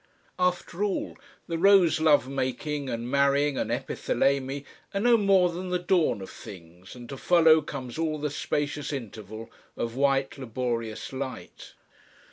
After all, the rosy love making and marrying and Epithalamy are no more than the dawn of things, and to follow comes all the spacious interval of white laborious light.